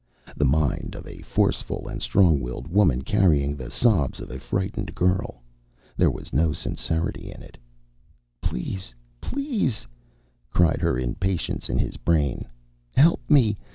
The mind of a forceful and strong willed woman, carrying the sobs of a frightened girl. There was no sincerity in it. "Please, please!" cried her impatience in his brain. "Help me!